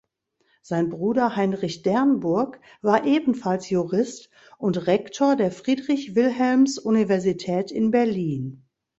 Sein Bruder Heinrich Dernburg war ebenfalls Jurist und Rektor der Friedrich-Wilhelms-Universität in Berlin.